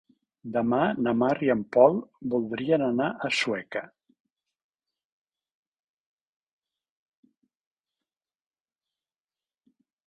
Demà na Mar i en Pol voldrien anar a Sueca.